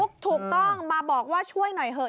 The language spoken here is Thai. มาร้องทุกข์ถูกต้องมาบอกว่าช่วยหน่อยเหอะ